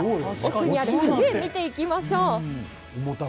奥にある果樹園を見ていきましょう。